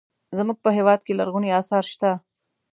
زموږ په هېواد کې لرغوني اثار شته.